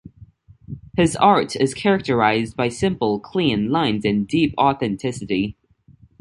His art is characterised by simple, clean lines, and deep authenticity.